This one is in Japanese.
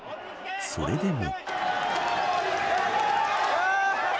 それでも。